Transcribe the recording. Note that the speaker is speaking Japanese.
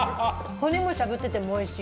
骨をしゃぶっていてもおいしい。